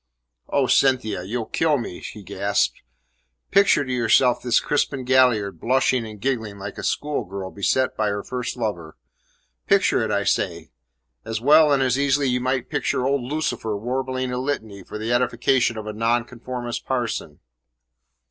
"Oh, Cynthia! You'll kill me!" he gasped. "Picture to yourself this Crispin Galliard blushing and giggling like a schoolgirl beset by her first lover. Picture it, I say! As well and as easily might you picture old Lucifer warbling a litany for the edification of a Nonconformist parson."